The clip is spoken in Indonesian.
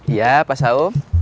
iya pak saum